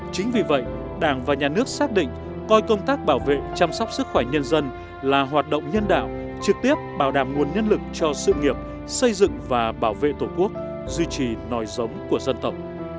chính vì vậy đảng và nhà nước xác định coi công tác bảo vệ chăm sóc sức khỏe nhân dân là hoạt động nhân đạo trực tiếp bảo đảm nguồn nhân lực cho sự nghiệp xây dựng và bảo vệ tổ quốc duy trì nòi giống của dân tộc